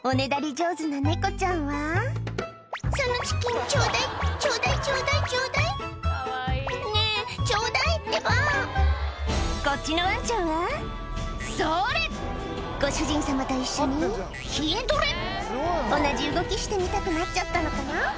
上手な猫ちゃんは「そのチキンちょうだい」「ちょうだいちょうだいちょうだい」「ねぇちょうだいってば」こっちのワンちゃんは「それ！」ご主人様と一緒に筋トレ同じ動きしてみたくなっちゃったのかな？